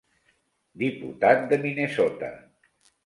Diputat de Minnesota.